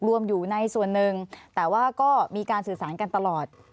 รวมอยู่ในส่วนหนึ่งแต่ว่าก็มีการสื่อสารกันตลอด